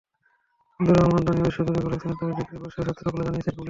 আবদুর রহমান দনিয়া বিশ্ববিদ্যালয় কলেজের স্নাতক দ্বিতীয় বর্ষের ছাত্র বলে জানিয়েছে পুলিশ।